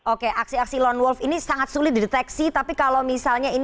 oke aksi aksi lone wolf ini sangat sulit dideteksi